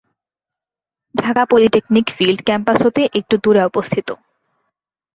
Dhaka polytechnic field campus হতে একটু দুরে অবস্থিত।